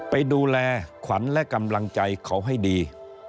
ไปดูแลขวัญและกำลังใจเขาให้ดี